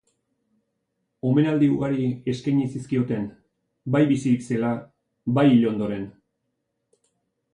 Omenaldi ugari eskaini zizkioten, bai bizirik zela, bai hil ondoren.